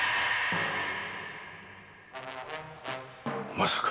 まさか！